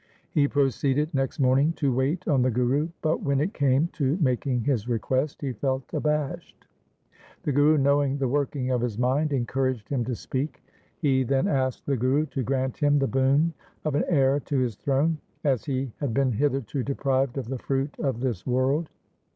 He proceeded next morning to wait on the Guru, but, when it came to making his request, he felt abashed. The Guru knowing the working of his mind encouraged him to speak. He then asked the Guru to grant him the boon of an heir to his throne, as he had been hitherto deprived of the fruit of this world.